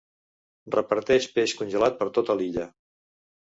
Reparteix peix congelat per tota l'illa.